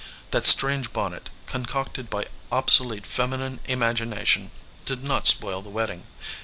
That strange bonnet, con 98 VALUE RECEIVED cocted by obsolete feminine imagination, did not spoil the wedding.